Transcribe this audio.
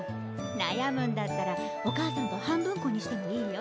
なやむんだったらお母さんと半分こにしてもいいよ。